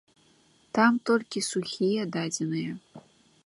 Там толькі сухія дадзеныя.